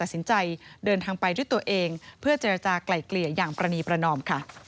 สวัสดีครับ